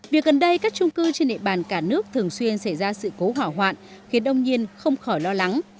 việc gần đây các trung cư trên địa bàn cả nước thường xuyên xảy ra sự cố hỏa hoạn khiến đông nhiên không khỏi lo lắng